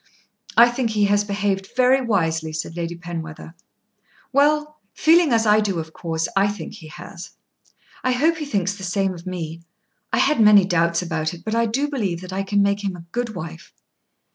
"I think he has behaved very wisely," said Lady Penwether. "Well; feeling as I do of course I think he has. I hope he thinks the same of me. I had many doubts about it, but I do believe that I can make him a good wife."